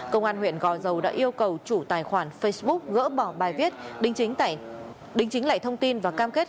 công an huyện gò dầu đã yêu cầu chủ tài khoản facebook gỡ bỏ bài viết